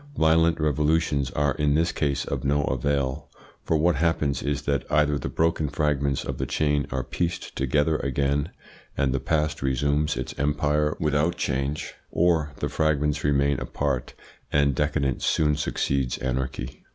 Violent revolutions are in this case of no avail; for what happens is that either the broken fragments of the chain are pieced together again and the past resumes its empire without change, or the fragments remain apart and decadence soon succeeds anarchy.